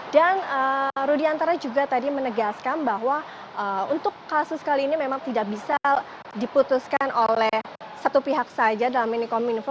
dan rudiantara juga tadi menegaskan bahwa untuk kasus kali ini memang tidak bisa diputuskan oleh satu pihak saja dalam minikomunifo